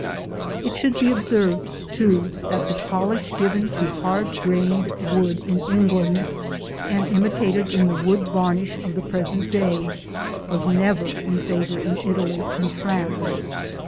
It should be observed, too, that the polish given to hard grained wood in England, and imitated in the wood varnish of the present day, was never in favor in Italy and France.